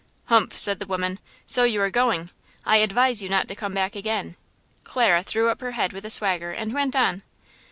"Humph!" said the woman; "so you are going! I advise you not to come back again!" Clara threw up her head with a swagger, and went on.